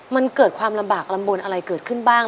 มันเกิดความลำบากลำบลอะไรเกิดขึ้นบ้าง